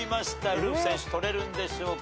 ウルフ選手取れるんでしょうか。